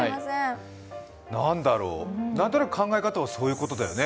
何だろう、何となく考え方はそういうことだよね。